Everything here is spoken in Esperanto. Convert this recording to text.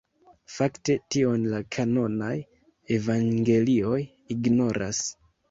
Fakte tion la kanonaj evangelioj ignoras.